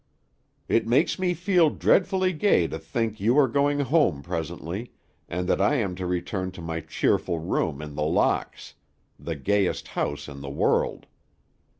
"It makes me feel dreadfully gay to think you are going home presently, and that I am to return to my cheerful room in The Locks, the gayest house in the world.